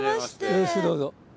よろしくどうぞ。